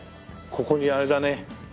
ここにあれだね。